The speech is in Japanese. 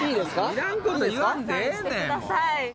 いらんこと言わんでええねん。